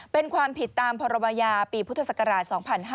เป็นความผิดตามพรบยาปีพุทธศักราช๒๕๕๙